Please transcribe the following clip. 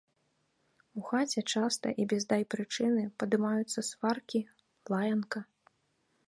У хаце часта і без дай прычыны падымаюцца сваркі, лаянка.